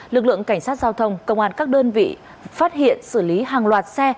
lực lượng cảnh sát giao thông công an các đơn vị phát hiện xử lý hàng loạt xe